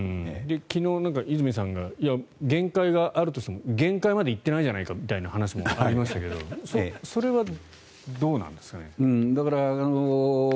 昨日、泉さんが限界があると限界まで行っていないじゃないかみたいな話もあまりましたがそれはどうなんですかね。